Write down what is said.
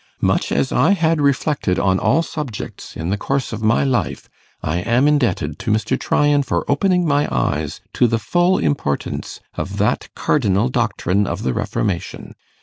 Much as I had reflected on all subjects in the course of my life, I am indebted to Mr. Tryan for opening my eyes to the full importance of that cardinal doctrine of the Reformation.